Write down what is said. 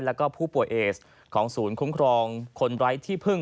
แล้วก็ผู้ป่วยเอสของศูนย์คุ้มครองคนไร้ที่พึ่ง